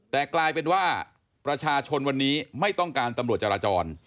แต่กลายเป็นว่าประชาชนวันนี้ไม่ต้องการตำรวจจราจร